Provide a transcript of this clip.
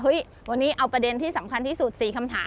วันนี้เอาประเด็นที่สำคัญที่สุด๔คำถาม